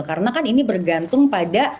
karena kan ini bergantung pada